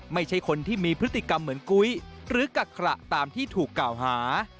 ไม่ใช่คนที่มีพฤติกรรมเหมือนกุ้ยหรือกักขระตามที่ถูกกล่าวหา